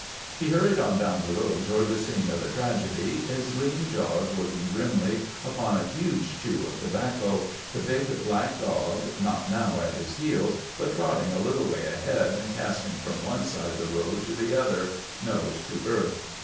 He hurried on down the road toward the scene of the tragedy, his lean jaws working grimly upon a huge chew of tobacco, the big, black dog not now at his heels but trotting a little way ahead and casting from one side of the road to the other, nose to earth.